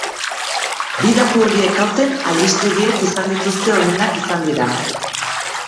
Bi datu horiek aurten albistegiek izan dituzten onenak izan dira.